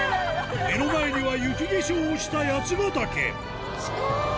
目の前には雪化粧をした八ヶ岳近い！